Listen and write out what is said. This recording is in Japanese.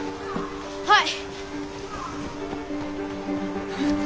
はい！